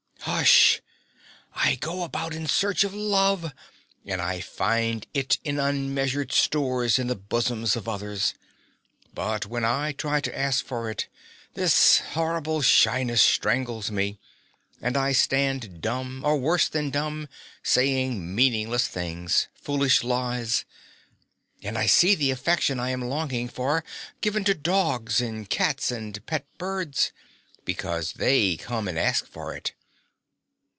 Hush! I go about in search of love; and I find it in unmeasured stores in the bosoms of others. But when I try to ask for it, this horrible shyness strangles me; and I stand dumb, or worse than dumb, saying meaningless things foolish lies. And I see the affection I am longing for given to dogs and cats and pet birds, because they come and ask for it.